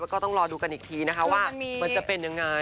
แล้วก็ต้องรอดูกันอีกทีนะคะว่ามันจะเป็นยังไง